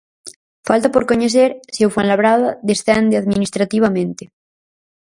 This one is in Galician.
Falta por coñecer se o Fuenlabrada descende administrativamente.